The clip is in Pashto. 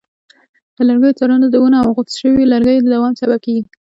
د لرګیو څارنه د ونو او غوڅ شویو لرګیو د دوام سبب کېږي.